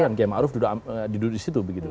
dan gema arief duduk di situ begitu